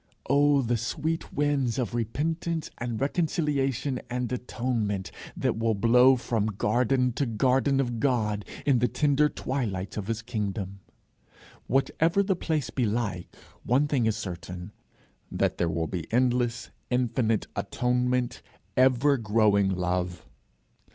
Oh, the sweet winds of repentance and reconciliation and atonement, that will blow from garden to garden of God, in the tender twilights of his kingdom! Whatever the place be like, one thing is certain, that there will be endless, infinite atonement, ever growing love.